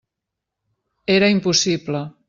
Era impossible.